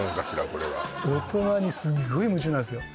これは大人にすっごい夢中になるんですよ